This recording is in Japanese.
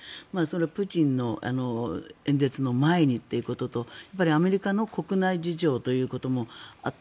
プーチンの演説の前にっていうこととやっぱりアメリカの国内事情ということもあって